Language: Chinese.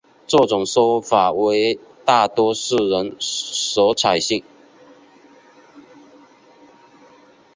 这种说法为大多数人所采信。